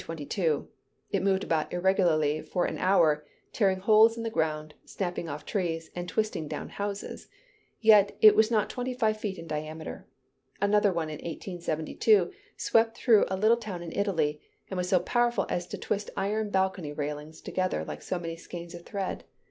It moved about irregularly for an hour, tearing holes in the ground, snapping off trees, and twisting down houses; yet, it was not twenty five feet in diameter. Another one in 1872, swept through a little town in Italy, and was so powerful as to twist iron balcony railings together like so many skeins of thread.